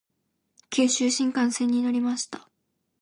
九州新幹線に乗りました。